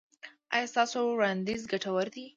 ایا ستاسو وړاندیز ګټور دی؟